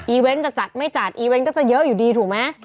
เวนต์จะจัดไม่จัดอีเวนต์ก็จะเยอะอยู่ดีถูกไหม